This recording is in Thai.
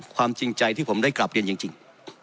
ความจริงใจที่ผมได้กลับเรียนจริง